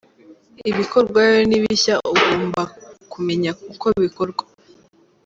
Ibikorwayo ni bishya, ugomba kumenya uko bikorwa.